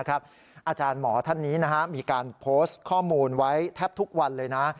อาจารย์หมอท่านนี้มีการโพสต์ข้อมูลไว้แทบทุกวันเลยนะ